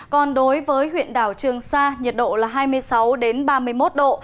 còn đối với huyện đảo trường sa nhiệt độ là hai mươi sáu ba mươi một độ